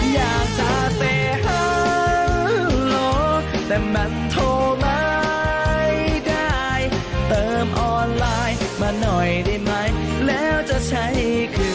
อยากจะไปหาหมอแต่มันโทรไม่ได้เติมออนไลน์มาหน่อยได้ไหมแล้วจะใช้คือ